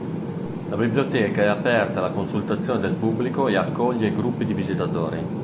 La Biblioteca è aperta alla consultazione del pubblico e accoglie gruppi di visitatori.